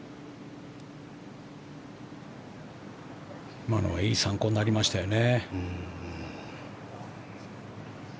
今のはいい参考になりましたよね。